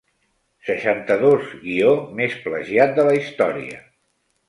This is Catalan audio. Seixanta-dos guió més plagiat de la història.